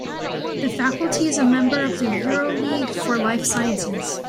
The Faculty is a member of the Euroleague for Life Sciences.